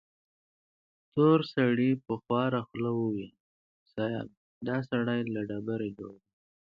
تور سړي په خواره خوله وويل: صيب! دا سړی له ډبرې جوړ دی.